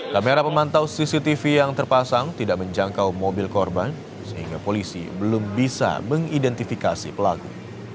kamera pemantau cctv yang terpasang tidak menjangkau mobil korban sehingga polisi belum bisa mengidentifikasi pelaku